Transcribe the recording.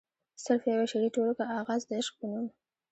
صرف يوه شعري ټولګه “اغاز َد عشق” پۀ نوم